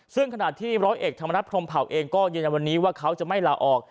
ซึ่งขณะที่ร้อยเอกธรรมนัฐพรมเผาเองก็ยืนยันวันนี้ว่าเขาจะไม่ลาออก